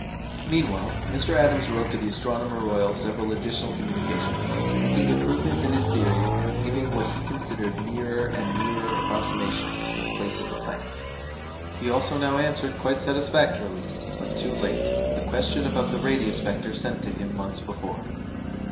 Meanwhile, Mr. Adams wrote to the Astronomer Royal several additional communications, making improvements in his theory, and giving what he considered nearer and nearer approximations for the place of the planet. He also now answered quite satisfactorily, but too late, the question about the radius vector sent to him months before.